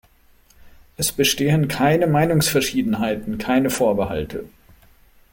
Es bestehen keine Meinungsverschiedenheiten, keine Vorbehalte.